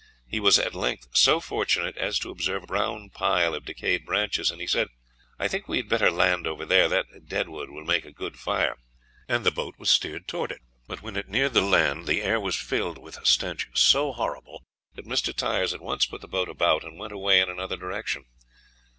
He was at length so fortunate as to observe a brown pile of decayed branches, and he said, "I think we had better land over there; that deadwood will make a good fire"; and the boat was steered towards it. But when it neared the land the air was filled with a stench so horrible that Mr. Tyers at once put the boat about, and went away in another direction.